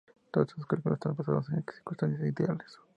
Todos estos cálculos están basados en circunstancias ideales.